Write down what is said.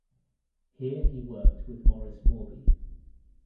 Here he worked with Maurice Mawby.